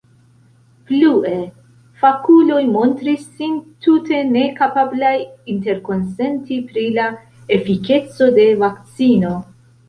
Plue: fakuloj montris sin tute nekapablaj interkonsenti pri la efikeco de vakcino.